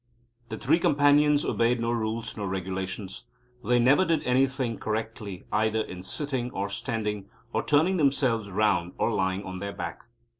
The Three Companions obeyed no rules nor regulations. They never did anything correctly either in sitting or standing or turning themselves round or lying on their back.